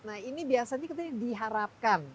nah ini biasanya kita diharapkan